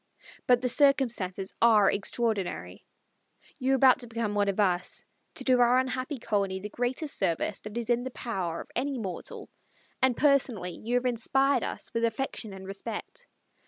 But the circumstances are extraordinary. You are about to become one of us, to do our unhappy colony the greatest service that is in the power of any mortal, and personally you have inspired us with affection and respect.